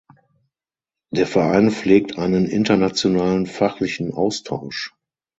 Der Verein pflegt einen internationalen fachlichen Austausch.